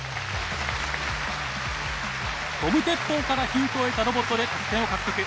ゴム鉄砲からヒントを得たロボットで得点を獲得。